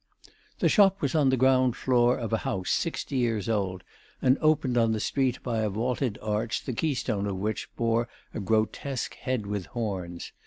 The shop was on the ground floor of a house sixty years old, and opened on the street by a vaulted arch the keystone of which bore a grotesque head with horns.